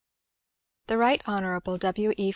The Right Hon. W. E.